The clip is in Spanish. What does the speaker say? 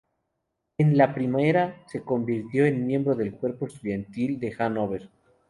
En la primera, se convirtió en miembro del Cuerpo Estudiantil de Hannover.